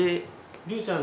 りゅうちゃん